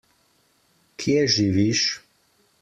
Kje živiš?